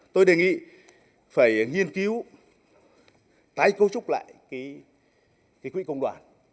tôi đề nghị phải nghiên cứu tái cấu trúc lại quỹ công đoàn